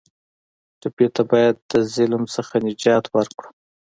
ټپي ته باید د ظلم نه نجات ورکړو.